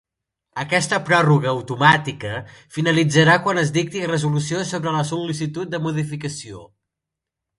Aquesta pròrroga automàtica finalitzarà quan es dicti resolució sobre la sol·licitud de modificació.